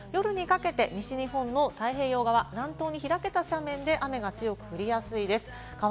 夜にかけて西日本も太平洋側、南東に開けた斜面で雨が強く降りやすいです。